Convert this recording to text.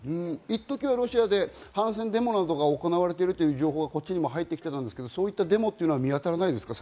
一時、ロシアで反戦デモなどが行われている情報が入ってきていたんですが、そういったデモは見当たらないですか？